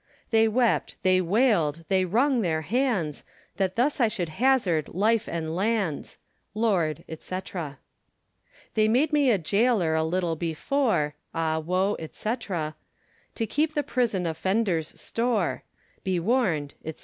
They wept, they wailde, they wrong their hands, That thus I should hazard life and lands. Lord, &c. They made me a jaylor a little before, Ah woe, &c. To keep in prison offenders store; Be warned, &c.